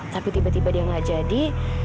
tapi tiba tiba dia nggak jadi